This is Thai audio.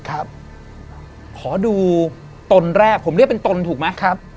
ขอดูตนแรกผมเรียกเป็นตนถูกไหมครับ